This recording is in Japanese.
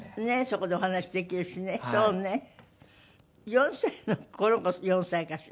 ４歳のこの子４歳かしら？